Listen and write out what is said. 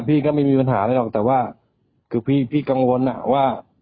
พี่ก็ไม่มีปัญหาอะไรหรอกแต่ว่าคือพี่กังวลอ่ะว่า